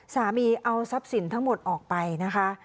สามีเอาทรัพย์สินทั้งหมดออกไปนะคะ